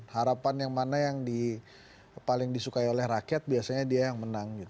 harapan yang mana yang paling disukai oleh rakyat biasanya dia yang menang